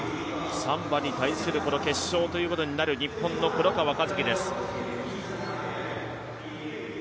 サンバに対する決勝ということになる日本の黒川和樹です。